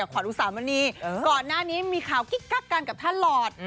ขวัญอุสามณีก่อนหน้านี้มีข่าวกิ๊กกักกันกับท่านหลอด